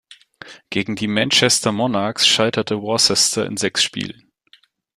Gegen die Manchester Monarchs scheiterte Worcester in sechs Spielen.